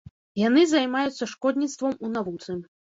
Яны займаюцца шкодніцтвам у навуцы.